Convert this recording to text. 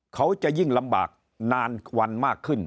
เขาจะยิ่งลำบากนานวันมากขึ้น